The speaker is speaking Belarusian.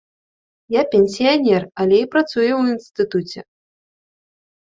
Я пенсіянер, але і працую ў інстытуце.